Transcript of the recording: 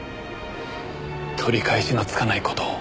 取り返しのつかない事を。